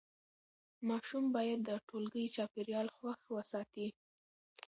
ماشوم باید د ټولګي چاپېریال خوښ وساتي.